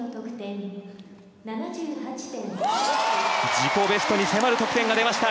自己ベストに迫る得点が出ました